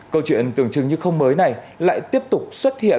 câu chuyện tưởng chừng như không mới này lại tiếp tục xuất hiện